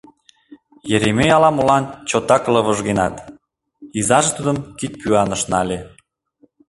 Еремей ала-молан чотак лывыжгенат, изаже тудым кидпӱаныш нале.